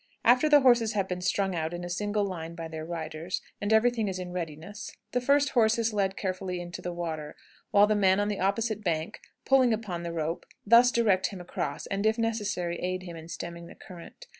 After the horses have been strung out in a single line by their riders, and every thing is in readiness, the first horse is led carefully into the water, while the men on the opposite bank, pulling upon the rope, thus direct him across, and, if necessary, aid him in stemming the current.